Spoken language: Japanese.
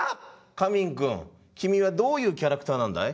神民くん君はどういうキャラクターなんだい？